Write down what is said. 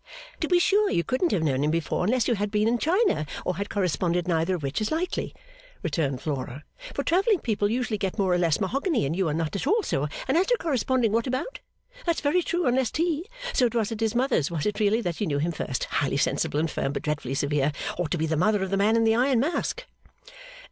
'To be sure you couldn't have known him before unless you had been in China or had corresponded neither of which is likely,' returned Flora, 'for travelling people usually get more or less mahogany and you are not at all so and as to corresponding what about? that's very true unless tea, so it was at his mother's was it really that you knew him first, highly sensible and firm but dreadfully severe ought to be the mother of the man in the iron mask.